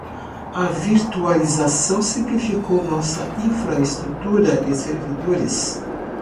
A virtualização simplificou nossa infraestrutura de servidores.